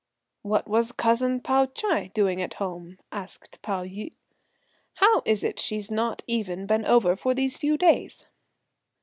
"What was cousin Pao Ch'ai doing at home?" asked Pao yü. "How is it she's not even been over for these few days?"